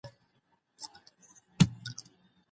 لمسی د زوی زوی، د لور زوی